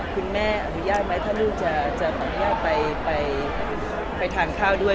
ดูย่ายไหมถ้าลูกจะขออนุญาตไปทานข้าวด้วย